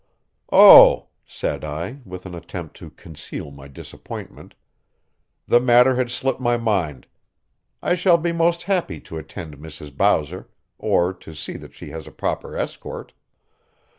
"Oh," said I, with an attempt to conceal my disappointment, "the matter had slipped my mind. I shall be most happy to attend Mrs. Bowser, or to see that she has a proper escort."